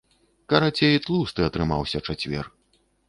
Карацей, тлусты атрымаўся чацвер!